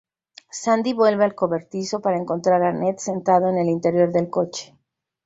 Sandy vuelve al cobertizo para encontrar a Ned sentado en el interior del coche.